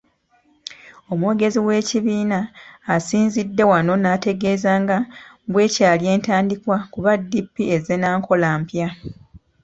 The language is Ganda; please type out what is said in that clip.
Omwogezi w'ekibiina, asinzidde wano n'ategeeza nga bw'ekyali entandikwa kuba DP ezze na nkola mpya.